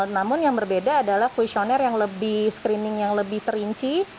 namun yang berbeda adalah questionnaire yang lebih screening yang lebih terinci